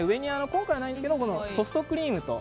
今回はないんですけどソフトクリームと。